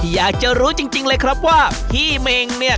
อยากจะรู้จริงเลยครับว่าพี่เมงเนี่ย